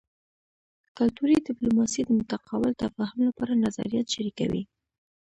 کلتوري ډیپلوماسي د متقابل تفاهم لپاره نظریات شریکوي